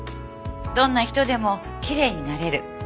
どんな人でもきれいになれる。